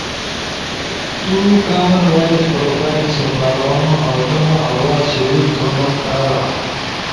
تو کامن وائس پروفائل سپارونو اؤ تمو آواز شریک تھونو کارا